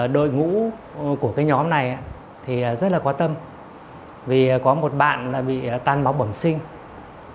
đội ngũ của nhóm này rất là quá tâm vì có một bạn bị tan bóng bẩm sinh